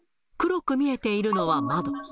黒く見えているのは窓。